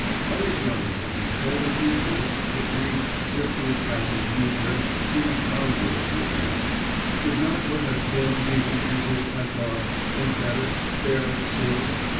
I was young then and the future, the brief, swiftly passing future seemed boundless to me then. Could not what had been be repeated, I thought, and better, fairer still?